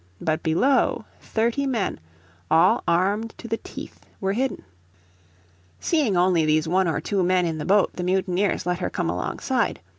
But below, thirty men, all armed to the teeth, were hidden. Seeing only these one or two men in the boat the mutineers let her come alongside.